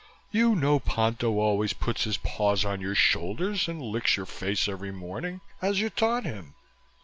"You know Ponto always puts his paws on your shoulders and licks your face every morning, as you taught him."